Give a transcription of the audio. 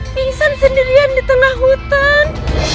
pingsan sendirian di tengah hutan